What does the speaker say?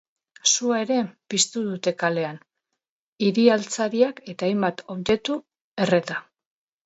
Sua ere piztu dute kalean, hiri-altzariak eta hainbat objektu erreta.